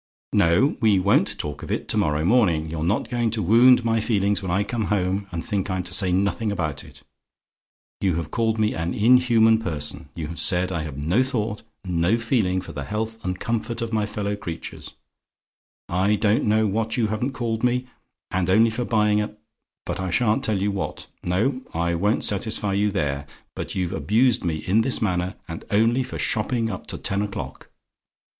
"No: we won't talk of it to morrow morning. You're not going to wound my feelings when I come home, and think I'm to say nothing about it. You have called me an inhuman person; you have said I have no thought, no feeling for the health and comfort of my fellow creatures; I don't know what you haven't called me; and only for buying a but I sha'n't tell you what; no, I won't satisfy you there but you've abused me in this manner, and only for shopping up to ten o'clock.